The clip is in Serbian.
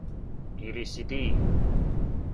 Или си ти?